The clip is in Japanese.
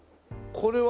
これは。